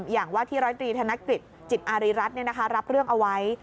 อย่างว่าที่ร้อยตรีธนกฤษจิตอารีรัฐรับเรื่องเอาไว้